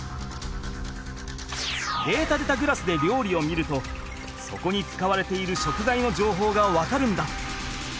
データでたグラスでりょうりを見るとそこに使われている食材のじょうほうが分かるんだ。